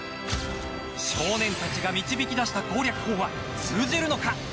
少年たちが導き出した攻略法は通じるのか。